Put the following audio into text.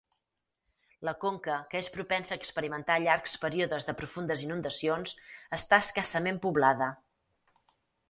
La Conca, que és propensa a experimentar llargs períodes de profundes inundacions, està escassament poblada.